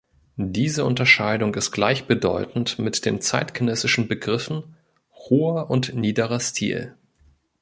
Diese Unterscheidung ist gleichbedeutend mit den zeitgenössischen Begriffen „hoher“ und „niederer“ Stil.